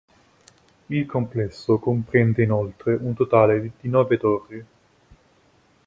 Il complesso comprende inoltre un totale di nove torri.